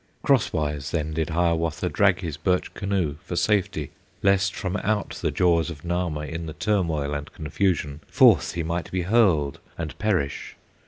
Crosswise then did Hiawatha Drag his birch canoe for safety, Lest from out the jaws of Nahma, In the turmoil and confusion, Forth he might be hurled and perish.